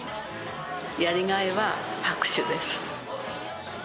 やりがいは拍手です。